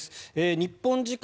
日本時間